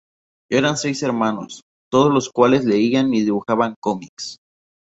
Eran seis hermanos, todos los cuales leían y dibujaban cómics.